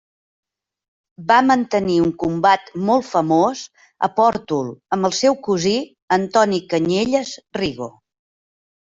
Va mantenir un combat molt famós a Pòrtol amb el seu cosí Antoni Canyelles Rigo.